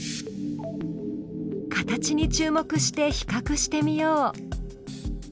形に注目して比較してみよう。